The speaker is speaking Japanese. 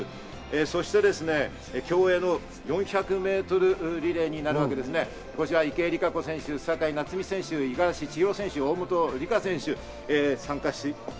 そして競泳の４００ｍリレー、こちらは池江璃花子選手、酒井夏海選手、五十嵐千尋選手、大本里佳選手に注目です。